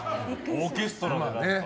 オーケストラと。